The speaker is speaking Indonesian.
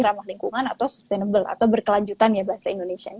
ramah lingkungan atau sustainable atau berkelanjutan ya bahasa indonesia